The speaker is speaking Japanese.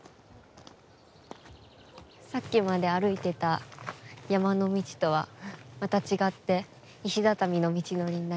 さっきまで歩いてた山の道とはまた違って石畳の道のりになりましたね。